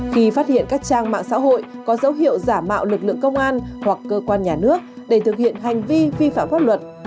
khi phát hiện các trang mạng xã hội có dấu hiệu giả mạo lực lượng công an hoặc cơ quan nhà nước để thực hiện hành vi vi phạm pháp luật